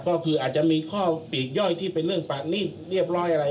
ก็คืออาจจะมีข้อปีกย่อยที่เป็นเรื่องปากหนี้เรียบร้อยอะไร